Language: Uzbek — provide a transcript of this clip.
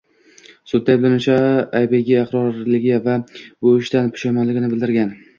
Sudda ayblanuvchi aybiga iqrorligi va bu ishidan pushaymonligini bildirgan